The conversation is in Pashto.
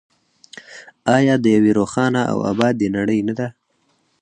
آیا د یوې روښانه او ابادې نړۍ نه ده؟